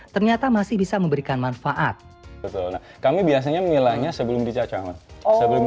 ternyata masih bisa memberikan manfaat kami biasanya menilainya sebelum dicacah sebelum